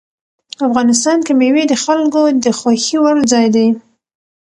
افغانستان کې مېوې د خلکو د خوښې وړ ځای دی.